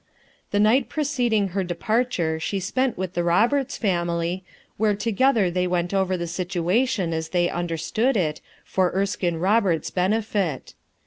' The night preceding her departure she spent with the Roberts family, where together they went o\ er the situation as they understood it for Erskine Roberts's benefit.